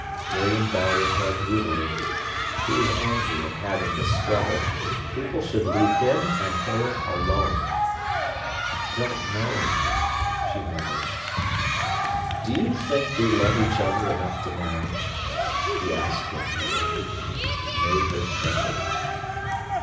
Miriam bowed her head moodily. She was angry at having this struggle. People should leave him and her alone. "I don't know," she murmured. "Do you think we love each other enough to marry?" he asked definitely. It made her tremble.